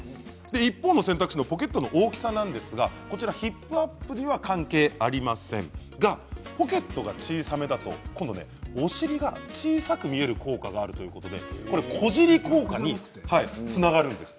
一方の選択肢のポケットの大きさですがヒップアップには関係ありませんがポケットが小さめだと今度、お尻が小さく見える効果があるということで小尻効果につながるんです。